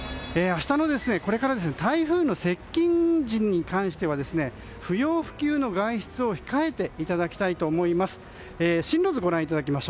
明日、台風接近時に関しては不要不急の外出を控えていただきたいと思います。